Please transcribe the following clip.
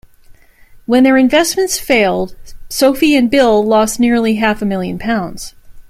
When their investments failed, Sophie and Bill lost nearly half a million pounds